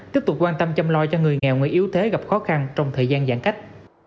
tiếp tục quan tâm chăm lo cho người nghèo người yếu thế gặp khó khăn trong thời gian giãn cách